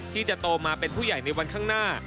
ที่จะโตมาเป็นผู้ใหญ่ในวันข้างหน้า